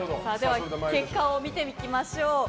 結果を見ていきましょう。